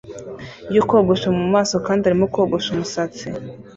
yo kogosha mumaso kandi arimo kogosha umusatsi